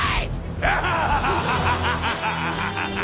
アハハハハ！